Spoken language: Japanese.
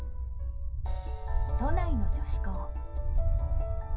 都内の女子高。